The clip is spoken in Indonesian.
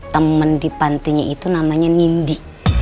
temen di pantinya itu namanya nindi